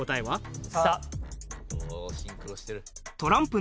おおシンクロしてる。